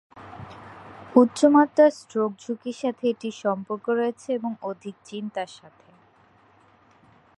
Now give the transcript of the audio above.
উচ্চমাত্রার স্ট্রোক ঝুঁকির সাথে এটির সম্পর্ক রয়েছে এবং অধিক চিন্তার সাথে।